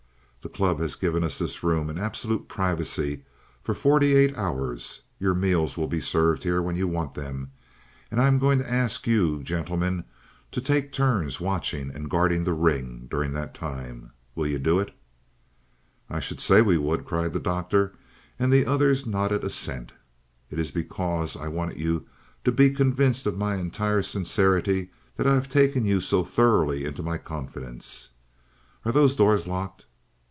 The club has given us this room in absolute privacy for forty eight hours. Your meals will be served here when you want them, and I am going to ask you, gentlemen, to take turns watching and guarding the ring during that time. Will you do it?" "I should say we would," cried the Doctor, and the others nodded assent. "It is because I wanted you to be convinced of my entire sincerity that I have taken you so thoroughly into my confidence. Are those doors locked?"